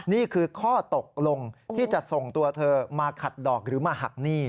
นี่คือข้อตกลงที่จะส่งตัวเธอมาขัดดอกหรือมาหักหนี้